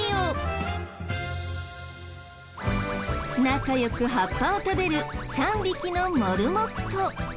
仲良く葉っぱを食べる３匹のモルモット。